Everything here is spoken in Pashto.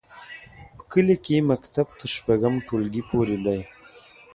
په کلي کې مکتب تر شپږم ټولګي پورې دی.